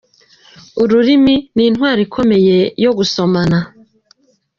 Ururimi ni intwaro ikomeye yo gusomana.